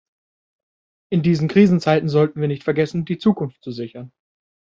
In diesen Krisenzeiten sollten wir nicht vergessen, die Zukunft zu sichern.